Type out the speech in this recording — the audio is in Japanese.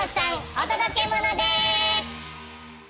お届けモノです！